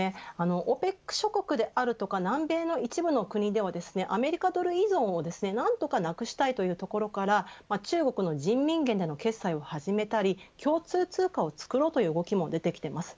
ＯＰＥＣ諸国であるとか南米の一部の国ではアメリカドル依存を何とかなくしたいというところから中国の人民元での決済を始めたり共通通貨を作ろうという動きも出てきています。